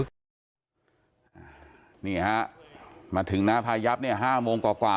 นี่นี่ฮะมาถึงน้าพายับเนี่ย๕โมงกว่ากว่า